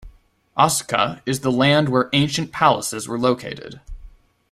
Asuka is the land where ancient palaces were located.